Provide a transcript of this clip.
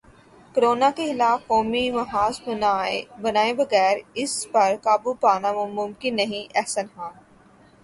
corona کے خلاف قومی محاذ بنائے بغیر اس پر قابو پانا ممکن نہیں احسن خان